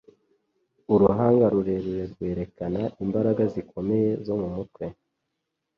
Uruhanga rurerure rwerekana imbaraga zikomeye zo mumutwe.